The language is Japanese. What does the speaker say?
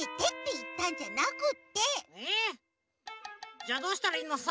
じゃどうしたらいいのさ？